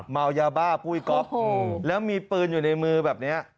เมายาบ้าปุ้ยก๊อฟแล้วมีปืนอยู่ในมือแบบนี้